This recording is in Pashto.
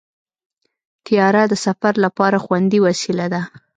طیاره د سفر لپاره خوندي وسیله ده.